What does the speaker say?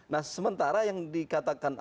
nah sementara yang dikatakan